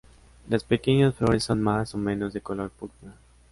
Las pequeñas flores son más o menos de color púrpura.